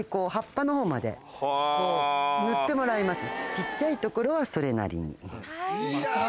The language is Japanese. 小っちゃいところはそれなりに。